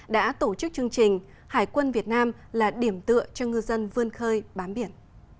đã tổ chức chương trình hải quân việt nam là điểm tựa cho ngư dân vươn khơi bám biển